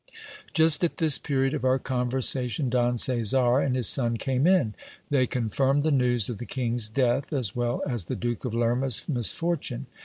Just at this period of our conversation, Don Caesar and his son came in. They confirmed the news of the king's death, as well as the Duke of Lerma's misfortune.